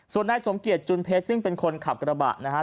ส่วนนายสมเกียจจุนเพชรซึ่งเป็นคนขับกระบะนะฮะ